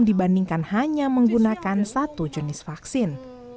dibandingkan hanya menggunakan satu jenis vaksin